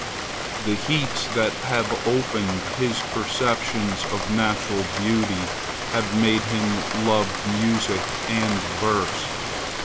The heats that have opened his perceptions of natural beauty have made him love music and verse.